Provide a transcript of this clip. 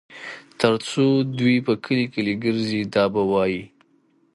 تر څو دوى په کلي کلي ګرځي دا به وايي